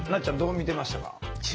ちゃんどう見てましたか？